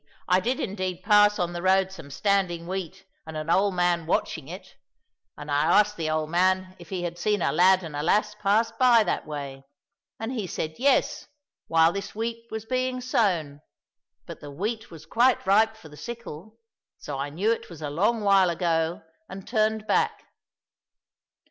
"I did, indeed, pass on the road some standing wheat and an old man watching 248 THE MAGIC EGG it, and I asked the old man if he had seen a lad and a lass pass by that way, and he said, ' Yes, while this wheat was being sown,' but the wheat was quite ripe for the sickle, so I knew it was a long while ago and turned back."